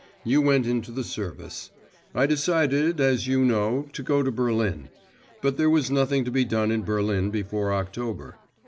You went into the service; I decided, as you know, to go to Berlin. But there was nothing to be done in Berlin before October.